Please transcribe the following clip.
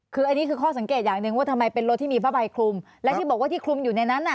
คืออันนี้คือข้อสังเกตอย่างหนึ่งว่าทำไมเป็นรถที่มีผ้าใบคลุมและที่บอกว่าที่คลุมอยู่ในนั้นน่ะ